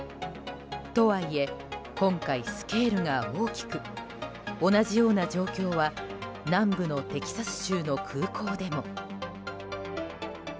とはいえ今回スケールが大きく同じような状況は南部のテキサス州の空港でも。